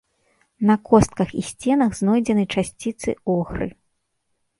На костках і сценах знойдзены часціцы охры.